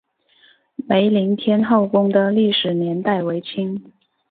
梅林天后宫的历史年代为清。